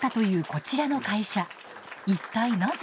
一体なぜ？